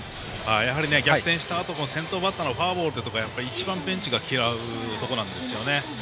やはり、逆転したあとの先頭バッターのフォアボールっていうのは一番、ベンチが嫌うところなんですよね。